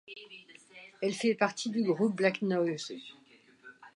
Elle fait partie du groupe Blacknoise.